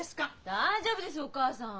大丈夫ですよお義母さん。